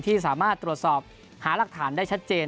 ที่สามารถตรวจสอบหาหลักฐานได้ชัดเจน